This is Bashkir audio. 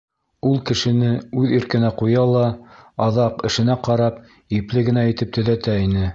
Ул кешене үҙ иркенә ҡуя ла аҙаҡ, эшенә ҡарап, ипле генә итеп төҙәтә ине.